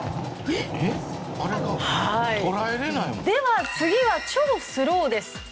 では次は超スローです。